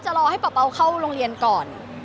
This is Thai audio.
รอให้เป๋าเข้าโรงเรียนก่อน